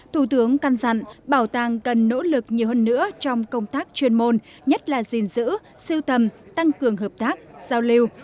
thủ tướng căn dặn bảo tàng cần nỗ lực nhiều hơn nữa trong công tác chuyên môn nhất là gìn giữ siêu tầm tăng cường hợp tác giao lưu